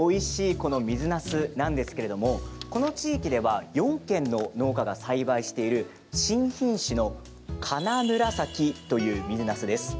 この水なすなんですけれどもこの地域では４軒の農家が栽培している新品種のかな紫という水なすです。